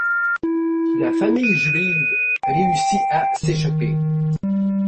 La famille Juive réussit à s'échapper.